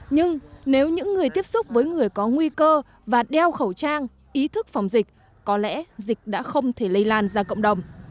nhưng nếu những người tiếp xúc với người có nguy cơ và đeo khẩu trang ý thức phòng dịch có lẽ dịch đã không thể lây lan ra cộng đồng